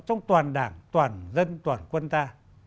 trong toàn đảng toàn dân toàn quân ta